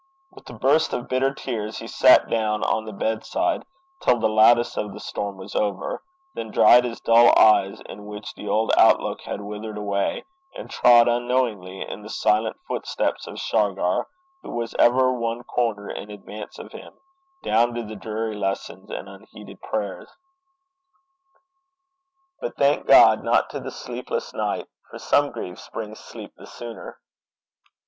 With a burst of bitter tears he sat down on the bedside till the loudest of the storm was over, then dried his dull eyes, in which the old outlook had withered away, and trod unknowingly in the silent footsteps of Shargar, who was ever one corner in advance of him, down to the dreary lessons and unheeded prayers; but, thank God, not to the sleepless night, for some griefs bring sleep the sooner.